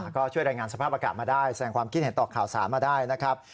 ก็ช่วยรายงานสภาพอากาศมาได้แสดงความคิดเห็นต่อข่าวสารมาได้นะครับ